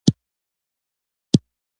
ادبیات یو ژبنی هنر دی.